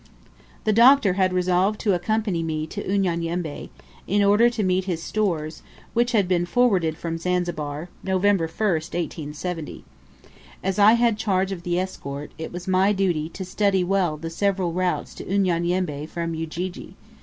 The Doctor had resolved to accompany me to Unyanyembe, in order to meet his stores, which had been forwarded from Zanzibar, November 1st, 1870. As I had charge of the escort, it was my duty to study well the several routes to Unyanyembe from Ujiji.